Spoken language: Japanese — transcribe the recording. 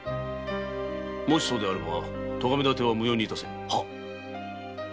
もしそうであれば咎めだては無用に致せ。